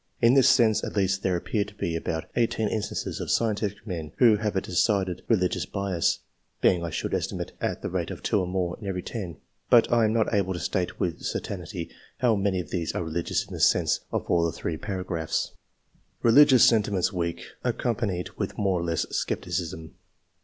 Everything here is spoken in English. In this sense, at least, there appear to be about eighteen instances of scientific men who have a decided religious bias ; being, I should estimate, at the rate of two or more, in every ten ; but I am not able to state with certainty how many of these are religious in the sense of all the three paragraphs. K 130 ENGLISH MEN OF SCIENCE. [chap. Eeliyious sentiments iveak, accompanied with more or less Scepticism.